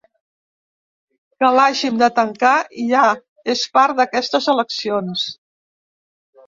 Que l’hàgim de tancar ja és part d’aquestes eleccions.